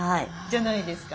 じゃないですか。